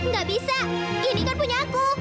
gak bisa ini kan punya aku